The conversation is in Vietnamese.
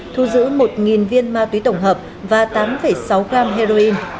thu giữ một viên ma túy tổng hợp và tám sáu gram heroin